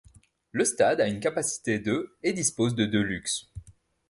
Le stade a une capacité de et dispose de de luxe.